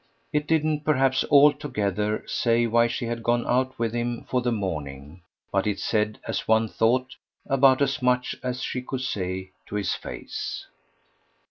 It didn't perhaps altogether say why she had gone out with him for the morning, but it said, as one thought, about as much as she could say to his face.